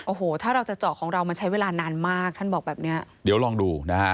โอ้โหถ้าเราจะเจาะของเรามันใช้เวลานานมากท่านบอกแบบเนี้ยเดี๋ยวลองดูนะฮะ